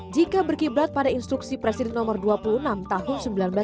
jika berkiblat pada instruksi presiden nomor dua puluh enam tahun seribu sembilan ratus sembilan puluh